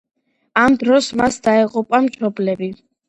ამ დროს მას დაეღუპა მშობლები.